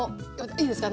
いいですか？